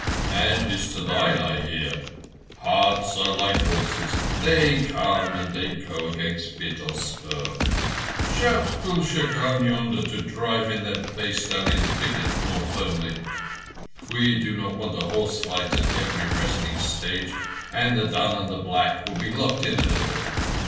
"And his to thine, I hear. Hearts are like horses. They come and they go against bit or spur. Shout Gul Sher Khan yonder to drive in that bay stallion's pickets more firmly. We do not want a horse fight at every resting stage, and the dun and the black will be locked in a little